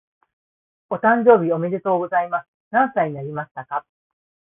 お誕生日おめでとうございます。何歳になりましたか？